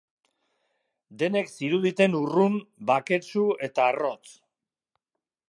Denek ziruditen urrun, baketsu eta arrotz.